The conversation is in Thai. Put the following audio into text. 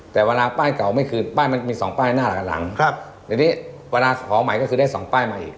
แต่เวลาป้ายเก่าไม่คือป้ายมันมีสองป้ายหน้าหลังครับทีนี้เวลาขอใหม่ก็คือได้สองป้ายมาอีก